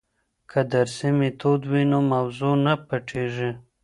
که درسي میتود وي نو موضوع نه پټیږي.